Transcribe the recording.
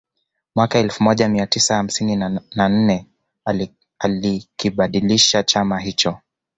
Mwaka elfu moja mia tisa hamsini na nne alikibadilisha chama hicho